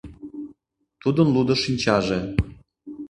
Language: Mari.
Тудын лудо шинчаже